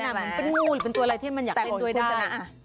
เหมือนเป็นงูหรือเป็นตัวอะไรที่มันอยากเล่นด้วยนะ